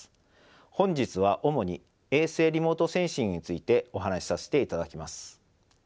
本日は主に衛星リモートセンシングについてお話しさせていただきます。